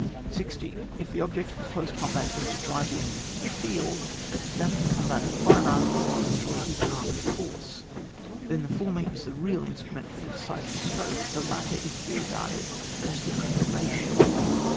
60. If the object of the close combat is to drive the enemy from the fields that of the combat with fire arms, to destroy his armed force, then the former is the real instrument for the decisive stroke, the latter is to be regarded as ths prepara tion.